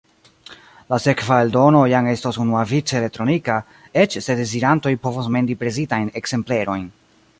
La sekva eldono jam estos unuavice elektronika, eĉ se dezirantoj povos mendi presitajn ekzemplerojn.